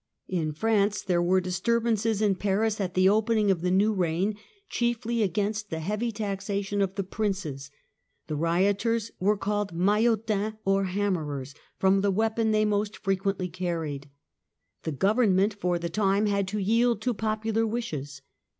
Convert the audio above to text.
In France there were disturbances in Paris at the opening of the new reign, chiefly against the heavy taxation of the Princes ; the rioters were called Maillotins or Hammerers, from the weapon they most frequently carried. The Government, for the time, had to yield to popular wishes.